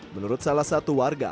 menurut salah satu warga